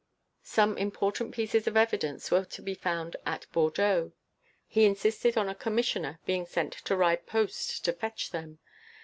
Some important pieces of evidence were to be found at Bordeaux; he insisted on a Commissioner being sent to ride post to fetch them.